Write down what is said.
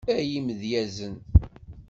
Ay imedyazen.